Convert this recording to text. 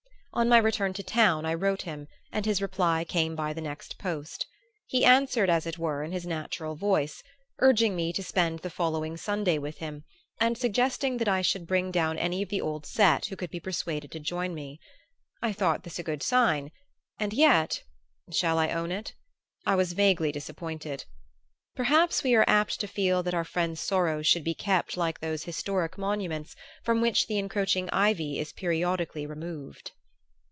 On my return to town I wrote him and his reply came by the next post. He answered as it were in his natural voice, urging me to spend the following Sunday with him, and suggesting that I should bring down any of the old set who could be persuaded to join me. I thought this a good sign, and yet shall I own it? I was vaguely disappointed. Perhaps we are apt to feel that our friends' sorrows should be kept like those historic monuments from which the encroaching ivy is periodically removed.